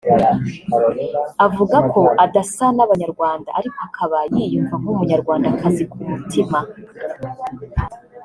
avuga ko adasa n’abanyarwanda ariko akaba yiyumva nk’umunyarwandakazi ku mutima